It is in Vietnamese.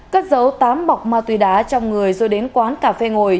cắt dấu tám bọc ma tùy đá trong người rồi đến quán cà phê ngồi